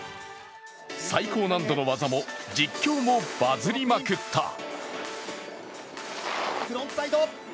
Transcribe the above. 最高難度の技も、実況もバズりまくった。